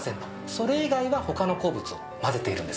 それ以外は他の鉱物を混ぜているんですね。